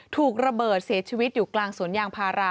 ถูกระเบิดเสียชีวิตอยู่กลางสวนยางพารา